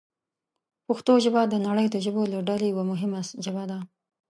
پښتو ژبه د نړۍ د ژبو له ډلې یوه مهمه ژبه ده.